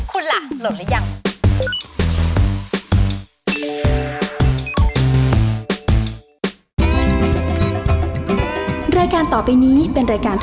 คุณล่ะโหลดแล้วยัง